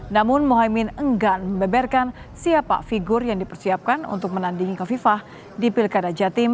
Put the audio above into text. namun mohaimin enggan membeberkan siapa figur yang dipersiapkan untuk menandingi kofifa di pilkada jatim dua ribu dua puluh empat